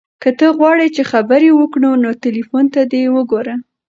که ته غواړې چې خبرې وکړو نو تلیفون دې ته وګوره.